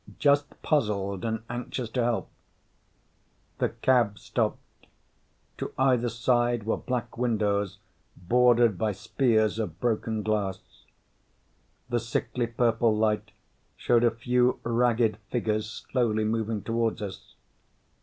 "Just puzzled and anxious to help." The cab stopped. To either side were black windows bordered by spears of broken glass. The sickly purple light showed a few ragged figures slowly moving toward us.